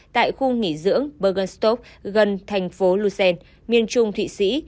tại khu nghỉ dưỡng bergenstock gần thành phố lucerne miền trung thụy sĩ